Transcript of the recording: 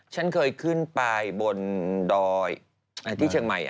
ฉันเคยขึ้นไปบนดอยที่เชียงใหม่